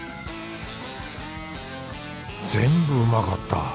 全部うまかった